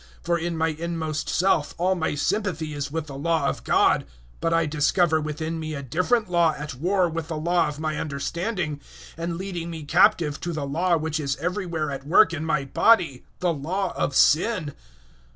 007:022 For in my inmost self all my sympathy is with the Law of God; 007:023 but I discover within me a different Law at war with the Law of my understanding, and leading me captive to the Law which is everywhere at work in my body the Law of sin.